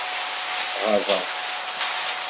Ɣabeɣ.